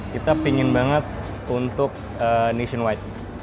kita pingin banget untuk nationwide